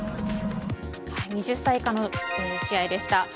２０歳以下の試合でした。